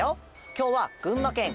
きょうはぐんまけん